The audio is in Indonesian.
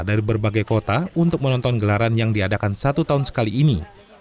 dari berbagai kota untuk menonton gelaran yang diadakan satu tahun sekali ini